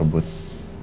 kamu tentang apa